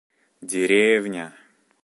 Деревня!